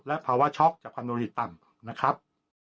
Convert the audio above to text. และภาวะช็อกจากความโนริตต่ำนะครับ